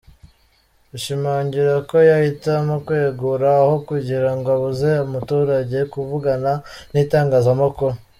Ashimangira ko yahitamo kwegura aho kugira ngo abuze umuturage kuvugana n’ itangazamakuru.